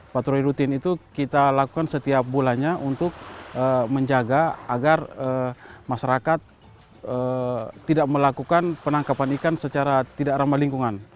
patroli rutin itu kita lakukan setiap bulannya untuk menjaga agar masyarakat tidak melakukan penangkapan ikan secara tidak ramah lingkungan